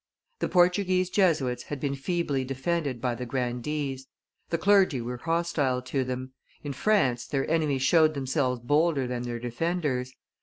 The Portuguese Jesuits had been feebly defended by the grandees; the clergy were hostile to them. In France, their enemies showed themselves bolder than their defenders.